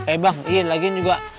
eh bang lagiin juga